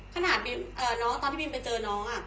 ขนาดตอนที่บิ๊มไปเจอน้อง